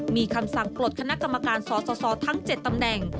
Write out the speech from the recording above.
มีคำสั่งปลดคณะกรรมการสสทั้ง๗ตำแหน่ง